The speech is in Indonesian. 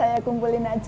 gak saya kumpulkan saja